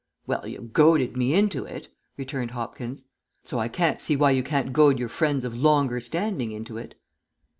"Well, you goaded me into it," returned Hopkins. "So I can't see why you can't goad your friends of longer standing into it."